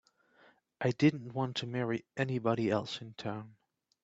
I didn't want to marry anybody else in town.